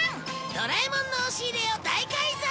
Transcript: ドラえもんの押し入れを大改造！